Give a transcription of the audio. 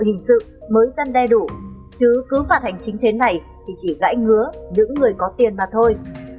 hình sự mới giăn đe đủ chứ cứ phạt hành chính thế này thì chỉ gãi ngứa những người có tiền mà thôi